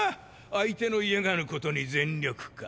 相手の嫌がることに全力か！